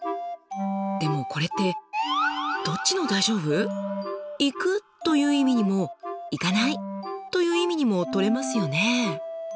でもこれってどっちの「大丈夫」？「行く」という意味にも「行かない」という意味にも取れますよね。